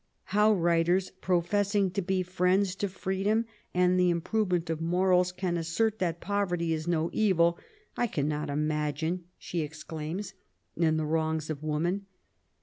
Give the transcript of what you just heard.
*'How writers professing to be friends to freedom and the improvement of morals can assert that poverty is no evil, I cannot imagine !*' she exclaims in the Wrongs of Woman.